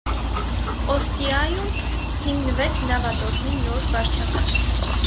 Օստիայում հմնվեց նավատորմի նոր վարչակազմ։